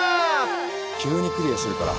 急にクリアするから。